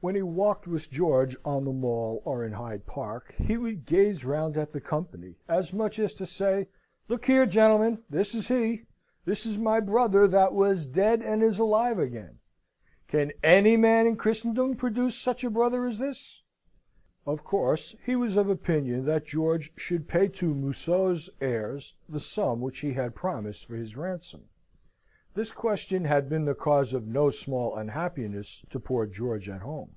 When he walked with George on the Mall or in Hyde Park, he would gaze round at the company, as much as to say, "Look here, gentlemen! This is he. This is my brother, that was dead and is alive again! Can any man in Christendom produce such a brother as this?" Of course he was of opinion that George should pay to Museau's heirs the sum which he had promised for his ransom. This question had been the cause of no small unhappiness to poor George at home.